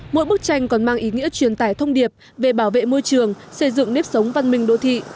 mỗi bức tranh còn mang ý nghĩa truyền tải thông điệp về bảo vệ môi trường xây dựng nếp sống văn minh đô thị